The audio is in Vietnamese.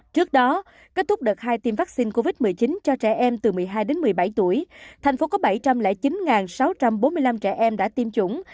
trước đó kết thúc đợt hai tiêm vaccine covid một mươi chín cho trẻ em từ một mươi hai đến một mươi bảy tuổi thành phố có bảy trăm linh chín sáu trăm bốn mươi năm trẻ em đã tiêm chủng